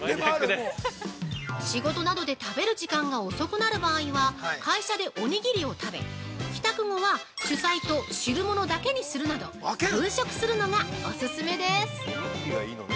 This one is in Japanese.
◆仕事などで食べる時間が遅くなる場合は、会社でおにぎりを食べ、帰宅後は主菜と汁物だけにするなど分食するのがお勧めです！